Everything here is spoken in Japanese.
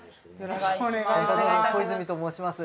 よろしくお願いします